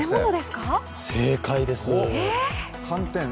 正解です。